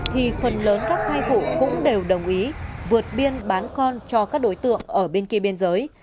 thì phần lớn các thai phụ cũng đều đồng ý vượt biên bán con cho các đối tượng ở bên kia biên giới